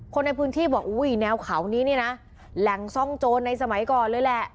คนในพื้นที่บอกอุ้ยแนวเขานี้เนี่ยนะแหล่งซ่องโจรในสมัยก่อนเลยแหละ